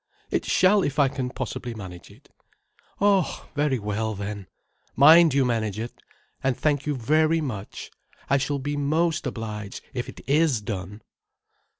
"It shall if I can possibly manage it—" "Oh—very well then. Mind you manage it—and thank you very much. I shall be most obliged, if it is done."